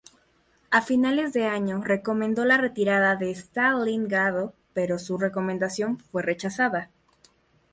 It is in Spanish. A finales de año recomendó la retirada de Stalingrado, pero su recomendación fue rechazada.